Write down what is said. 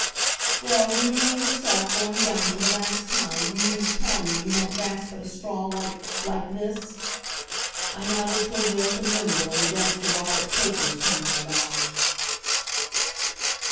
"Well, when you know yourself going down for the last time, do you mean to tell me you won't grasp at a straw like like this?" I nodded toward the open window, and the desk with all its papers tumbling out.